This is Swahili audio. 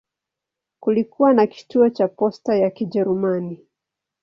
Kulikuwa na kituo cha posta ya Kijerumani.